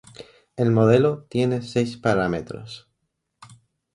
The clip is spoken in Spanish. El modelo tiene seis parámetros.